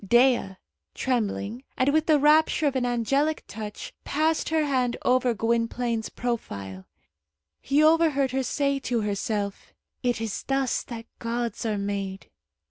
Dea, trembling, and with the rapture of an angelic touch, passed her hand over Gwynplaine's profile. He overheard her say to herself, "It is thus that gods are made."